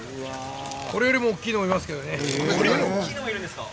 これより大きいのもいるけどね。